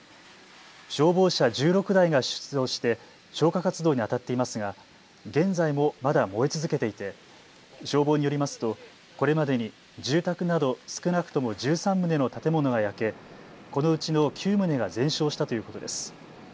消防車１６台が出動して消火活動にあたっていますが現在もまだ燃え続けていて消防によりますと、これまでに住宅など少なくとも１３棟の建物が焼け、このうちの９棟が全焼したということです。